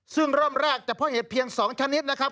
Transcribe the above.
ซึ่งเริ่มแรกจะเพาะเห็ดเพียง๒ชนิดนะครับ